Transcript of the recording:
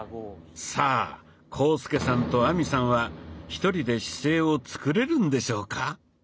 さあ浩介さんと亜美さんは１人で姿勢を作れるんでしょうか？